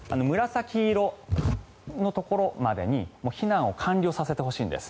紫色のところまでに避難を完了させてほしいんです。